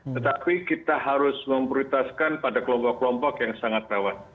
tetapi kita harus memprioritaskan pada kelompok kelompok yang sangat rawan